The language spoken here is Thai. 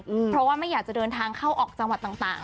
เพราะว่าไม่อยากจะเดินทางเข้าออกจังหวัดต่างต่าง